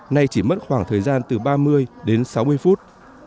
nay chỉ mất khoảng thời gian từ ba mươi đến sáu mươi phút